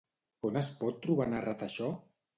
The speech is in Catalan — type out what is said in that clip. On es pot trobar narrat això?